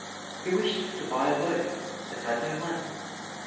He wished to buy a boat, but had no money.